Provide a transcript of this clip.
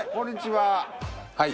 はい。